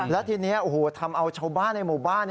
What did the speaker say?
และทีนี้ทำเอาชาวบ้านในหมู่บ้าน